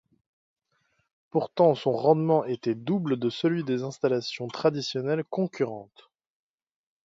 Pourtant son rendement était double de celui des installations traditionnelle concurrentes.